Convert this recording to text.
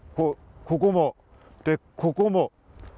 ここも、ここも。